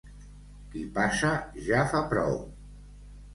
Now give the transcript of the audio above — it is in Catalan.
Qui passa ja fa prou.